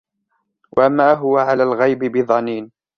وَمَا هُوَ عَلَى الْغَيْبِ بِضَنِينٍ